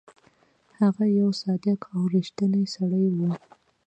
هغه یو صادق او ریښتونی سړی هم وو.